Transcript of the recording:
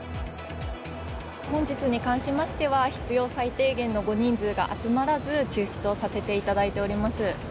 本日に関しましては、必要最低限のご人数が集まらず、中止とさせていただいております。